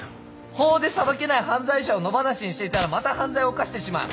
法で裁けない犯罪者を野放しにしていたらまた犯罪を犯してしまう。